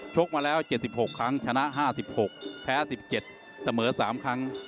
กมาแล้ว๗๖ครั้งชนะ๕๖แพ้๑๗เสมอ๓ครั้ง